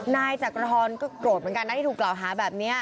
นายจักรทรก็โกรธเหมือนกันนะที่ถูกกล่าวหาแบบนี้